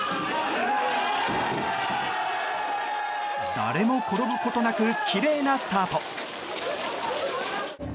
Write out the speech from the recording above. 誰も転ぶことなくきれいなスタート。